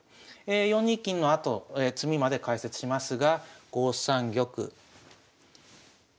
４二金のあと詰みまで解説しますが５三玉３二金と。